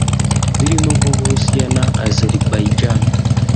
birimo nk’u Burusiya na Azerbaijan